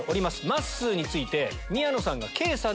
まっすーについて。